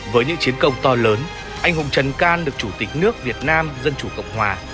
với những chiến công to lớn anh hùng trần can được chủ tịch nước việt nam dân chủ cộng hòa